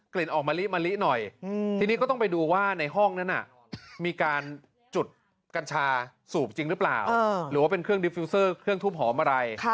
กลิ่นออกมะลิเนิ่อยทีนี้ก็ต้องไปดูว่าในห้องนั้นมีการจุดกัญชาสูบจริงหรือเปล่า